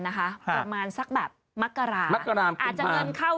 นะฮะประมาณสักแบบมากรา๑๐๐อะไรแล้ว